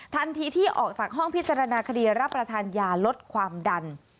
ทันทีที่ออกจากห้องพิจารณาคดีรับประทานยาลดความดัน